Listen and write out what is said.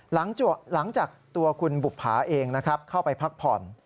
หลังจากตัวคุณบุภาเองนะครับเข้าไปพักผ่อน